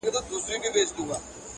.!د هر اواز سره واخ، واخ پورته کړي.!